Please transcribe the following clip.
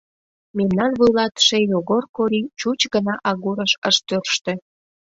Мемнан вуйлатыше Йогор Кори чуч гына агурыш ыш тӧрштӧ.